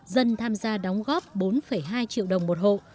dân tham gia đóng góp bốn hai triệu đồng một hộ